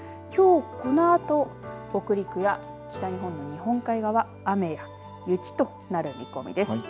きょう、このあと北陸や北日本の日本海側雨や雪となる見込みです。